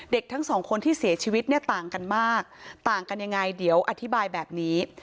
ทั้งสองคนที่เสียชีวิตเนี่ยต่างกันมากต่างกันยังไงเดี๋ยวอธิบายแบบนี้